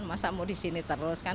masa mau di sini terus kan